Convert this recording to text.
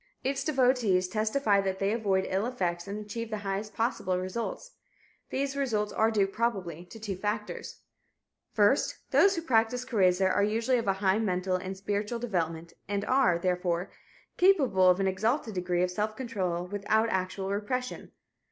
Its devotees testify that they avoid ill effects and achieve the highest possible results. These results are due, probably, to two factors. First, those who practice Karezza are usually of a high mental and spiritual development and are, therefore, capable of an exalted degree of self control without actual repression.